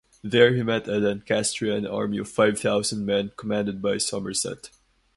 There he met a Lancastrian army of five thousand men commanded by Somerset.